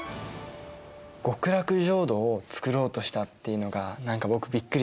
極楽浄土を作ろうとしたっていうのが何か僕びっくりしたな。